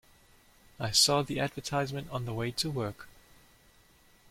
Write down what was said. I saw the advertisement on the way to work.